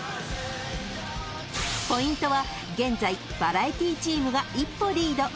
［ポイントは現在バラエティチームが一歩リード］